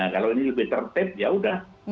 kalau ini lebih tertib ya udah